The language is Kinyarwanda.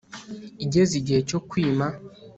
igeze igihe cyo kwima